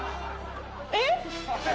えっ？